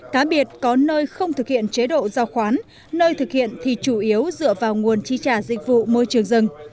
cá biệt có nơi không thực hiện chế độ giao khoán nơi thực hiện thì chủ yếu dựa vào nguồn chi trả dịch vụ môi trường rừng